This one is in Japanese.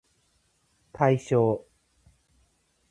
対象